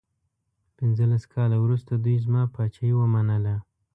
پنځلس کاله وروسته دوی زما پاچهي ومنله.